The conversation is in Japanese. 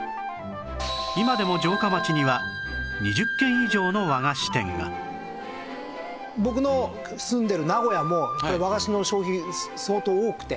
今でも城下町には僕の住んでる名古屋も和菓子の消費相当多くて。